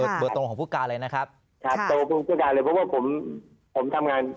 ครับเบอร์ตรงของผู้การเลยเพราะว่าผมทำงานเช้ากับวันเย็น